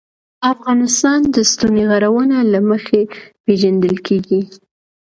افغانستان د ستوني غرونه له مخې پېژندل کېږي.